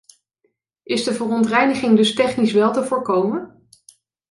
Is de verontreiniging dus technisch wel te voorkomen?